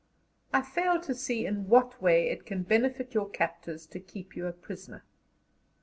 I fail to see in what way it can benefit your captors to keep you a prisoner.